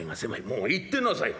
もう行ってなさい